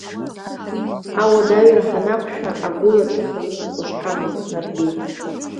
Ауадаҩра ҳанақәшәа агәылацәа хазынақәа шҳамаз ҳнарбеит.